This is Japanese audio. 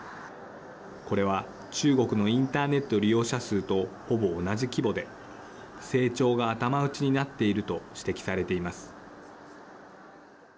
これは中国のインターネット利用者数とほぼ同じ規模で成長が頭打ちになっていると指摘されています。